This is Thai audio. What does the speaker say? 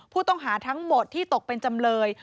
ผู้ต้องหาทั้งหมดที่ตกเป็นจำเลย